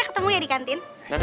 eh tunggu girls